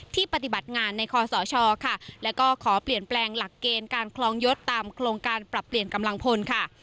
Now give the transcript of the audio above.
ปฏิบัติงานในคอสชค่ะแล้วก็ขอเปลี่ยนแปลงหลักเกณฑ์การคลองยศตามโครงการปรับเปลี่ยนกำลังพลค่ะ